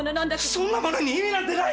そんなものに意味なんてない！